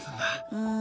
うん。